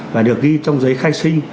và được ghi trong giấy khai sinh